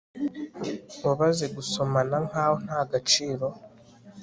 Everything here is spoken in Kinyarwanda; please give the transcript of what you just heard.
Wabaze gusomana nkaho ntagaciro